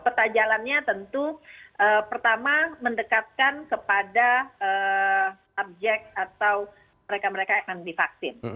pertajalannya tentu pertama mendekatkan kepada objek atau mereka mereka yang akan divaksin